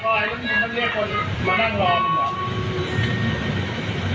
จอดการปล่อยมันเรียกคนมานั่งรอมันหรอ